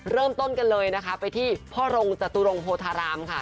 เริ่มต้นกันเลยนะคะไปที่พ่อรงจตุรงโพธารามค่ะ